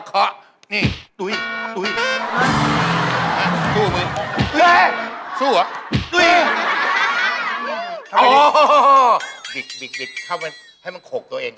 บิดกินไปให้มันโขกตัวเอง